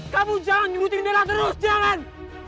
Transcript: kamu jangan nyurutin bella terus jangan